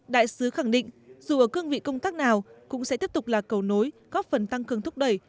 đại sứ khẳng định dù ở cương vị công tác nào cũng sẽ tiếp tục là cầu nối góp phần tăng cường thúc đẩy